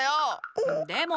でも。